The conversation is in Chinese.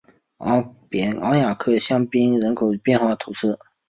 昂雅克香槟人口变化图示